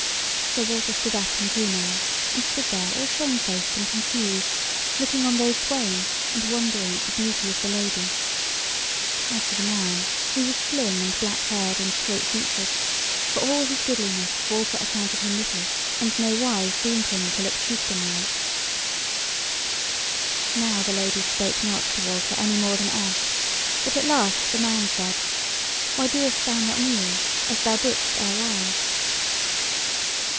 So Walter stood up and drew nigh, and stood there, all shamefaced and confused, looking on those twain, and wondering at the beauty of the Lady. As for the man, who was slim, and black haired, and straight featured, for all his goodliness Walter accounted him little, and nowise deemed him to look chieftain like. Now the Lady spake not to Walter any more than erst; but at last the man said: "Why doest thou not kneel as thou didst erewhile?"